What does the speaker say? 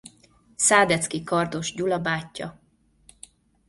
Szádeczky-Kardoss Gyula bátyja.